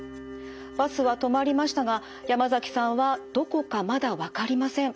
バスは止まりましたが山崎さんはどこかまだわかりません。